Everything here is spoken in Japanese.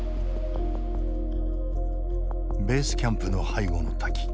ベースキャンプの背後の滝。